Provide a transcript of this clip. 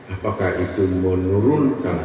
apakah itu menurunkan